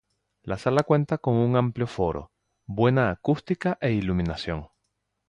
La sala cuenta con un amplio foro, buena acústica e iluminación.